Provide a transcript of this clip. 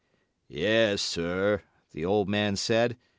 "Yes, sir," the old man said.